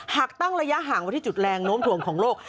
หากตั้งระยะห่างไว้ที่จุดแรงโน้มถ่วงของโลก